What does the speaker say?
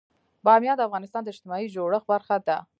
بامیان د افغانستان د اجتماعي جوړښت برخه ده.